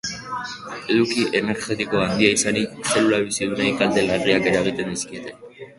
Eduki energetiko handia izanik, zelula bizidunei kalte larriak eragiten dizkiete.